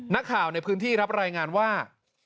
นักข่าวในพื้นที่รับรายงานว่า